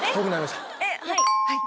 はい！